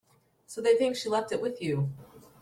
So they think she left it with you.